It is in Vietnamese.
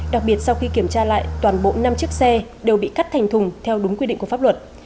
đặc biệt sau khi kiểm tra lại toàn bộ năm chiếc xe đều bị cắt thành thùng theo đúng quy định của pháp luật